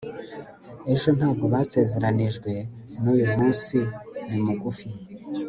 ejo ntabwo basezeranijwe uyu munsi ni mugufi